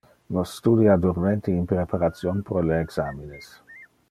Nos studia durmente in preparation pro le examines.